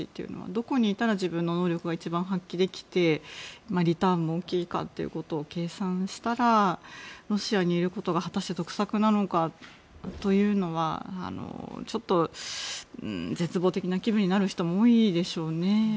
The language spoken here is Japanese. どこにいたら自分の能力が一番発揮できてリターンも大きいかということを計算したらロシアにいることが果たして得策なのかというのはちょっと絶望的な気分になる人も多いでしょうね。